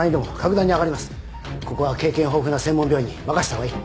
ここは経験豊富な専門病院に任した方がいい。